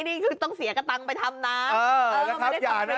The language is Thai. นี่คือต้องเสียกระตังไปทำน้ำ